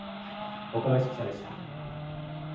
若林記者でした。